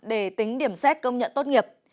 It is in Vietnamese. để tính điểm xét công nhận tốt nghiệp